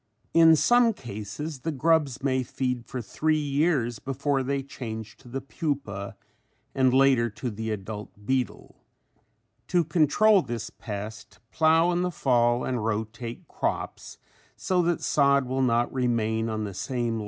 In some cases the grubs may feed for three years before they change to the pupa and later to the adult beetle. To control this pest, plow in the fall and rotate crops, so that sod will not remain on the same land too long.